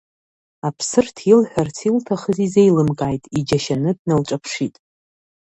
Аԥсырҭ илҳәарц илҭахыз изеилымкааит, иџьашьаны дналҿаԥшит.